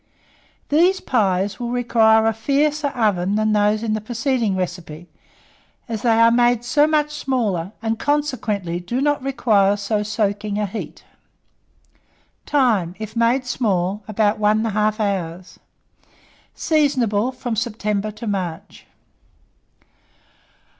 These pies will require a fiercer oven than those in the preceding recipe, as they are made so much smaller, and consequently do not require so soaking a heat. Time. If made small, about 1 1/2 hour. Seasonable from September to March.